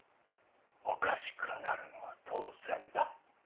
おかしくなるのは当然だ。